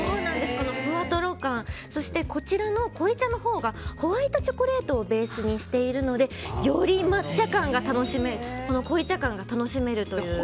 ふわとろ感そしてこちらの濃茶のほうがホワイトチョコレートをベースにしているのでより濃茶感が楽しめるという。